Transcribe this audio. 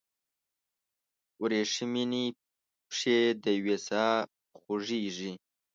وریښمینې پښې دیوې ساه خوږیږي